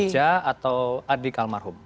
saja atau adik almarhum